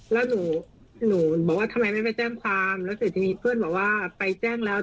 แล้วหนูบอกว่าทำไมไม่ไปแจ้งความแล้วเสร็จทีนี้เพื่อนบอกว่าไปแจ้งแล้ว